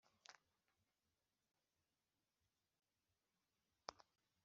cyangwa uteganya gushyira ku isoko inyandiko